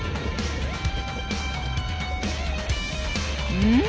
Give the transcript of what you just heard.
うん？